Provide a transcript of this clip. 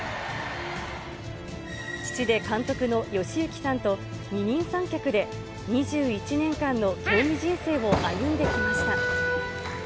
父で監督の義行さんと二人三脚で、２１年間の競技人生を歩んできました。